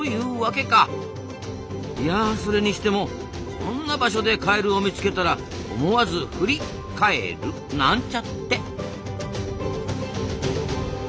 いやあそれにしてもこんな場所でカエルを見つけたら思わず振りカエルなんちゃって。